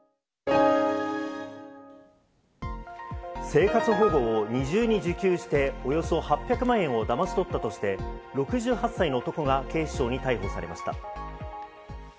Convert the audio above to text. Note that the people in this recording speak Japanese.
生活保護を二重に受給して、およそ８００万円をだまし取ったとして、６８歳の男が警視庁に逮捕されました。